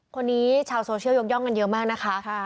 คนนี้ชาวโซเชียลยกย่องกันเยอะมากนะคะ